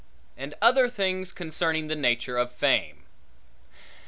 And other things concerning the nature of fame.